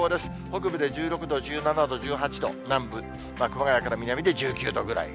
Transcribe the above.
北部で１６度、１７度、１８度、南部、熊谷から南で１９度ぐらい。